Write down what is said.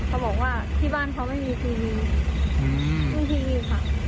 เขาบอกว่าที่บ้านเขาไม่มีกินไม่มีค่ะ